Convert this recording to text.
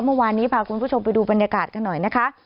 เมื่อวานนี้พาคุณผู้ชมไปดูบรรยากาศกันหน่อยนะคะ